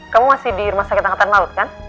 kamu masih di rumah sakit angkatan laut kan